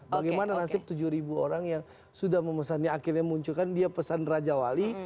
bagaimana nasib tujuh ribu orang yang sudah memesannya akhirnya munculkan dia pesan raja wali